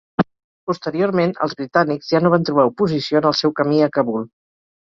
Posteriorment els britànics ja no van trobar oposició en el seu camí a Kabul.